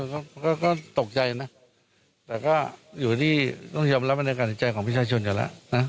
ก็ตกใจนะแต่ก็อยู่ที่ต้องยอมรับบรรยากาศเห็นใจของประชาชนอยู่แล้วนะ